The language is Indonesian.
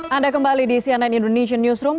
anda kembali di cnn indonesian newsroom